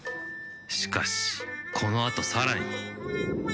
しかしこのあとさらに。